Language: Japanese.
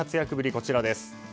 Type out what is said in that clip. こちらです。